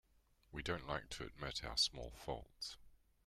We don't like to admit our small faults.